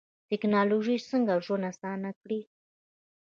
ټکنالوژي څنګه ژوند اسانه کړی؟